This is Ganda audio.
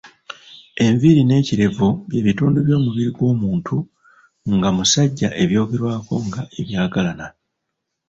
Enviiri n'ekirevu byebitundu by’omubiri gw’omuntu nga musajja ebyogerwako nga ebyagalana.